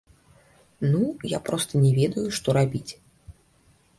Ну, я проста не ведаю, што рабіць.